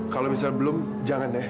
kalau misalnya belum jangan deh